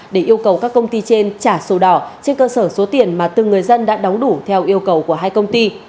để yêu cầu các công ty trên trả sổ đỏ trên cơ sở số tiền mà từng người dân đã đóng đủ theo yêu cầu của hai công ty